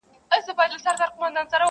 زه وایم داسي وو لکه بې جوابه وي سوالونه.